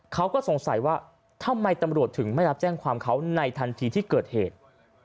เขาก็สงสัยว่าทำไมตำรวจถึงไม่รับแจ้งความเขาในทันทีที่เกิดเหตุ